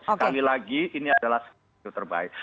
sekali lagi ini adalah skenario terbaik